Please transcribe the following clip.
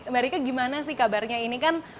mbak rika gimana sih kabarnya ini kan